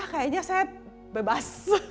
kayaknya saya bebas